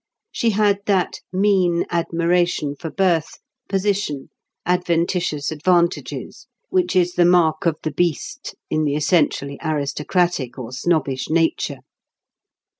She had that mean admiration for birth, position, adventitious advantages, which is the mark of the beast in the essentially aristocratic or snobbish nature.